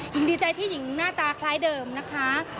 หญิงดีใจที่หญิงหน้าตาคล้ายเดิมนะคะ